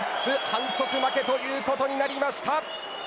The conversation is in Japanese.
反則負けということになりました。